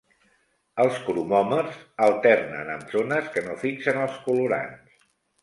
Els cromòmers alternen amb zones que no fixen els colorants.